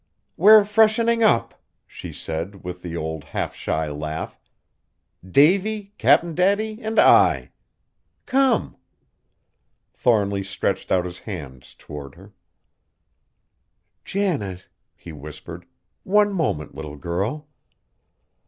"We're freshening up," she said with the old half shy laugh, "Davy, Cap'n Daddy, and I. Come!" Thornly stretched out his hands toward her. "Janet!" he whispered. "One moment, little girl!"